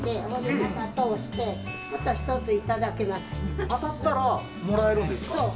中通して、当たったらもらえるんですかそう。